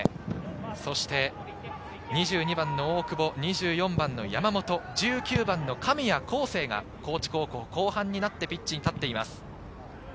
そして２２番の大久保、２４番の山本、１９番の神谷昂成が高知高校、後半になってピッチに立っています。